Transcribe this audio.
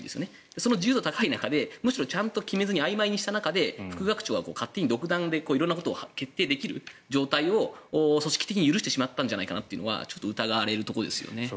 その自由度が高い中であいまいにした中で副学長は独断で色んなことを決定できる状態を組織的に許してしまったんじゃないかなというのは疑われるところですね。